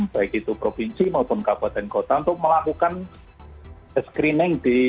baik itu provinsi maupun kabupaten kota untuk melakukan screening di